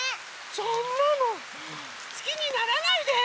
そんなのすきにならないで！